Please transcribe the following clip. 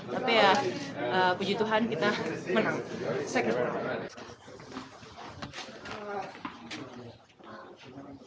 tapi ya puji tuhan kita menang